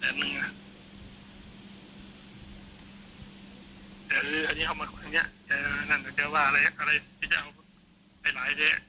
แต่ถ้าที่เขามาข้างเนี่ยนั่นจะว่าอะไรอะไรที่จะเอาให้หลายด้วย